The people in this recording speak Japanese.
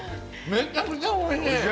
めちゃくちゃおいしい。